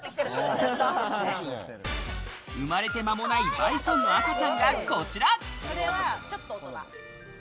生まれて間もないバイソンの赤ちゃんがこちら。